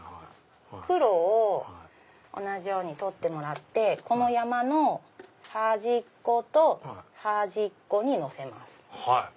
黒を同じように取ってもらってこの山の端っこと端っこにのせます。